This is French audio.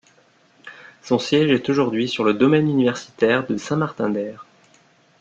Son siège est aujourd'hui sur le domaine universitaire de Saint-Martin-d’Hères.